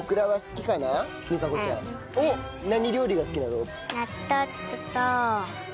何料理が好きなの？